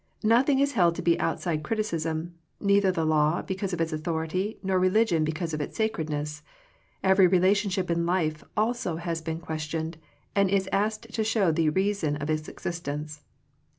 Nothing is held to be outside criticism, neither the law because of its authority, nor religion because of its sacredness. Every relationship in life also has been questioned, and is asked to show the reason of its existence.